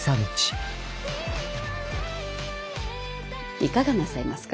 いかがなさいますか。